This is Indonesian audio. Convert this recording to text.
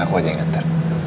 aku aja yang nganter